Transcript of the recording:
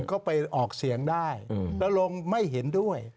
ก็ไปออกเสียงได้แล้วลงไม่เห็นด้วย